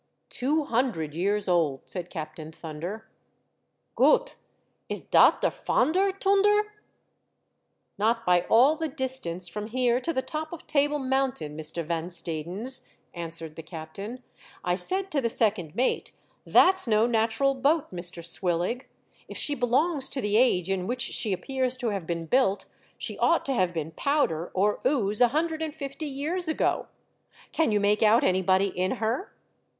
*' Two hundred years old," said Captain Thunder. " Goot. Is dot der fonder, Toonder ?"" Not by all the distance from here to the top of Table Mountain, Mr. Van Stadens," answered the captain. '* I said to the second mate, ' That's no natural boat, Mr. Swillig. If she belongs to the age in which she appears to have been built she ought to have been powder or ooze a hundred and fifty years ago. Can you make out anybody in her?'